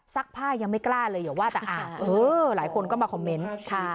ผ้ายังไม่กล้าเลยอย่าว่าแต่อ่าหลายคนก็มาคอมเมนต์ค่ะ